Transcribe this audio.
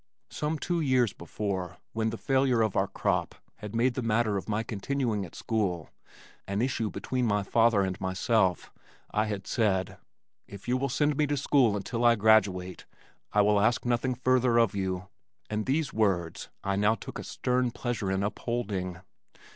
Some two years before, when the failure of our crop had made the matter of my continuing at school an issue between my father and myself, I had said, "If you will send me to school until I graduate, I will ask nothing further of you," and these words I now took a stern pleasure in upholding.